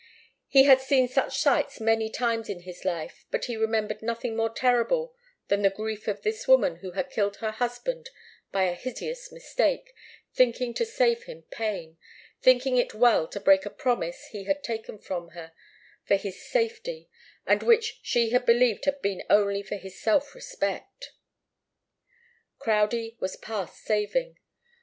He had seen such sights many times in his life, but he remembered nothing more terrible than the grief of this woman who had killed her husband by a hideous mistake, thinking to save him pain, thinking it well to break a promise he had taken of her for his safety, and which she had believed had been only for his self respect. Crowdie was past saving.